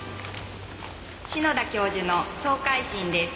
「篠田教授の総回診です」